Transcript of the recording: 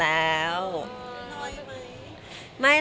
ได้เห็นไหมอ่ะค่ะ